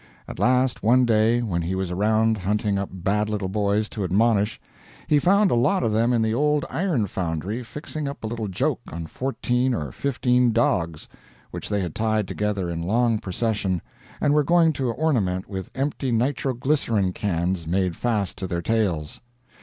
At last, one day, when he was around hunting up bad little boys to admonish, he found a lot of them in the old iron foundry fixing up a little joke on fourteen or fifteen dogs, which they had tied together in long procession, and were going to ornament with empty nitroglycerin cans made fast to their tails.